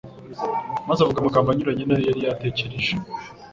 maze avuga amagambo anyuranye n'ayo yari yatekereje.